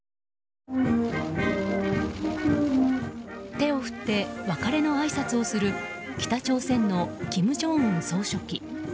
手を振って別れのあいさつをする北朝鮮の金正恩総書記。